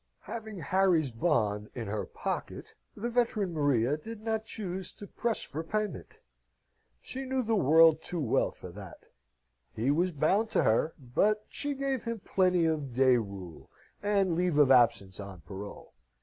Having Harry's bond in her pocket, the veteran Maria did not choose to press for payment. She knew the world too well for that. He was bound to her, but she gave him plenty of day rule, and leave of absence on parole.